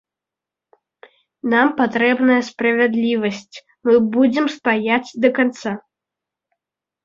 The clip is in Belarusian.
Нам патрэбная справядлівасць, мы будзем стаяць да канца!